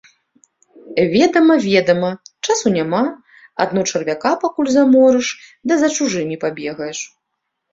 Ведама, ведама, часу няма, адно чарвяка пакуль заморыш да за чужымі пабегаеш.